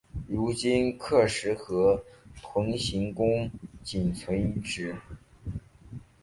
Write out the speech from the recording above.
如今喀喇河屯行宫仅存遗址。